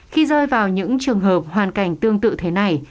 khi rơi vào những trường hợp hoàn cảnh tương tự thế này